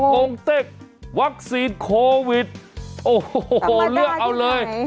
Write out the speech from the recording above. งเต็กวัคซีนโควิดโอ้โหเลือกเอาเลย